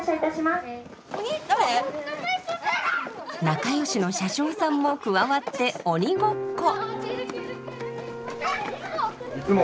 仲よしの車掌さんも加わって鬼ごっこ。